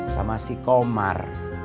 sama si komar